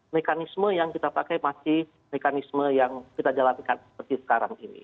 mekanisme yang kita pakai masih mekanisme yang kita jalankan seperti sekarang ini